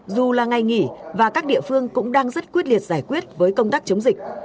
dù là ngày nghỉ và các địa phương cũng đang rất quyết liệt giải quyết với công tác chống dịch